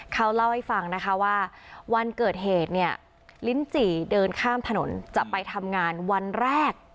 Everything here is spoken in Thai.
เขาเล่าให้ฟังนะคะว่าวันเกิดเหตุเนี่ยลิ้นจี่เดินข้ามถนนจะไปทำงานวันแรก